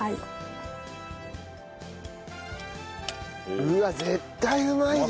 うわっ絶対うまいね！